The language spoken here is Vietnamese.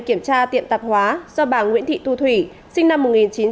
kiểm tra tiệm tạp hóa do bà nguyễn thị tu thủy sinh năm một nghìn chín trăm bảy mươi tám